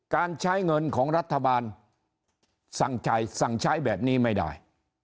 การใช้เงินของรัฐบาลสั่งใช้สั่งใช้แบบนี้ไม่ได้